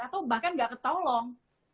atau bahkan gak ketolong